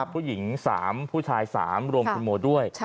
ผู้หญิง๓ผู้ชาย๓รวมคุณโมด้วย